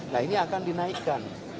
nah ini akan dinaikkan